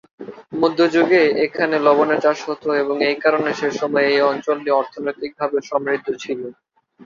মধ্যযুগে এখানে লবণের চাষ হত এবং এই কারণে সেসময় এই অঞ্চলটি অর্থনৈতিকভাবে সমৃদ্ধ ছিল।